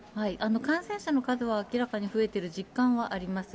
感染者の数は明らかに増えてる実感はあります。